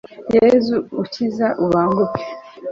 yezu ukiza, ubanguke